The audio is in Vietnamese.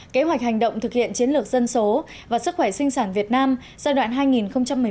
kế hoạch hành động thực hiện chiến lược dân số và sức khỏe sinh sản việt nam giai đoạn hai nghìn một mươi một hai nghìn một mươi năm